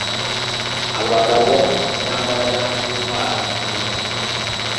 abagabo b abanyambaraga b intwari inzovu imwe